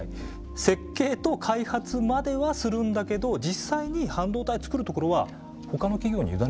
設計と開発まではするんだけど実際に半導体つくるところはほかの企業に委ねてるんです。